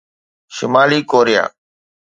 شمالي Korea